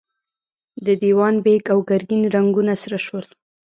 د دېوان بېګ او ګرګين رنګونه سره شول.